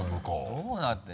どうなってる？